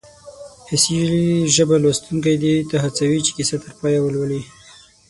حسي ژبه لوستونکی دې ته هڅوي چې کیسه تر پایه ولولي